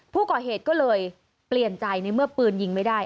ผู้ก่อเหตุก็เลยเปลี่ยนใจในเมื่อปืนยิงไม่ได้